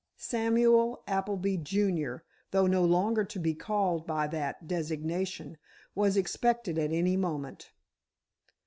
Samuel Appleby, junior—though no longer to be called by that designation—was expected at any moment.